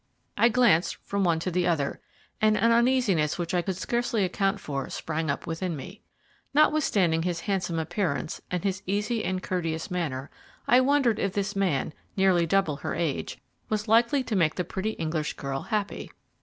I glanced from one to the other, and an uneasiness which I could scarcely account for sprang up within me. Notwithstanding his handsome appearance and his easy and courteous manner, I wondered if this man, nearly double her age, was likely to make the pretty English girl happy.